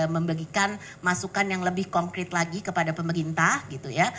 memberikan masukan yang lebih konkret lagi kepada pemerintah gitu ya